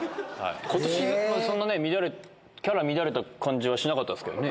ことし、そんなに乱れて、キャラ乱れた感じはしなかったですけどね。